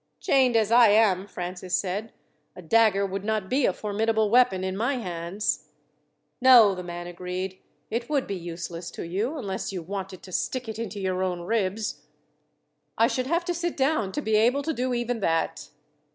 "Chained as I am," Francis said, "a dagger would not be a formidable weapon in my hands." "No," the man agreed. "It would be useless to you, unless you wanted to stick it into your own ribs." "I should have to sit down to be able to do even that."